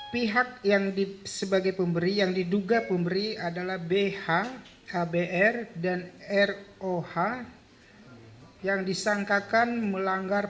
pihak yang diduga pemberi adalah bh abr dan roh yang disangkakan melanggar